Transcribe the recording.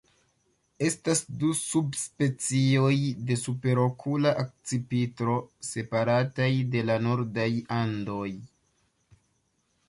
Estas du subspecioj de Superokula akcipitro, separataj de la nordaj Andoj.